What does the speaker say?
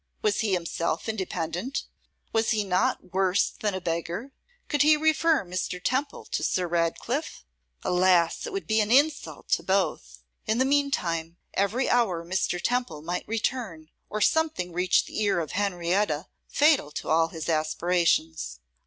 Was he himself independent? Was he not worse than a beggar? Could he refer Mr. Temple to Sir Ratcliffe? Alas! it would be an insult to both! In the meantime, every hour Mr. Temple might return, or something reach the ear of Henrietta fatal to all his aspirations.